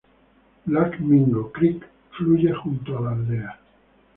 Black Mingo Creek fluye junto a la aldea.